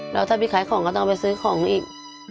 แล้วถ้าไปขายของก็ต้องไปซื้อของอีก